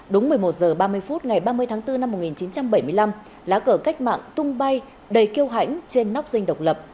đúng một mươi một h ba mươi phút ngày ba mươi tháng bốn năm một nghìn chín trăm bảy mươi năm lá cờ cách mạng tung bay đầy kêu hãnh trên nóc dinh độc lập